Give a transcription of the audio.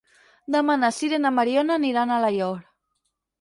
Demà na Sira i na Mariona aniran a Alaior.